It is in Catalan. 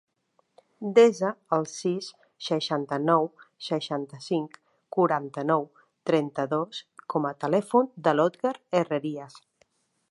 Desa el sis, seixanta-nou, seixanta-cinc, quaranta-nou, trenta-dos com a telèfon de l'Otger Herrerias.